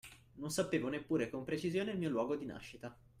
Non sapevo neppure con precisione il mio luogo di nascita.